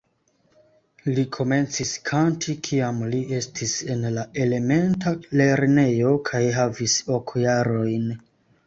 Li komencis kanti kiam li estis en la elementa lernejo kaj havis ok jarojn.